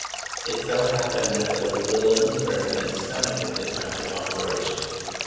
It so' happened that there was little in the President's stomach at the time of the operation.